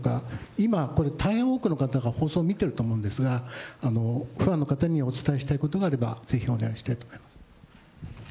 今、これ、大変多くの方が放送を見てると思うんですが、ファンの方にお伝えしたいことがあれば、ぜひお願いしたいと思います。